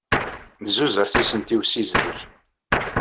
Nezzuzur tisent i usiszdeg.